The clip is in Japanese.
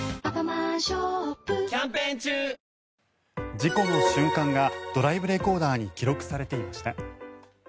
事故の瞬間がドライブレコーダーに記録されていました。